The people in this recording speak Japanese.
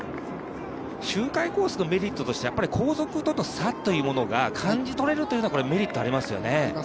周回コースのメリットとして高速だと差というものが感じ取れるというメリット、ありますよね。